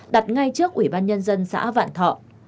đặt ngay trước ủy ban nhân dân xã vạn thọ